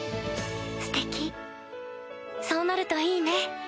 ステキそうなるといいね。